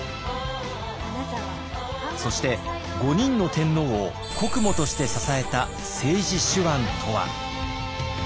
そして５人の天皇を国母として支えた政治手腕とは？